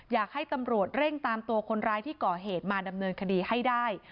อยากให้ตำรวจเร่งตามตัวคนร้ายที่ก่อเหตุมาดำเนินคดีให้ได้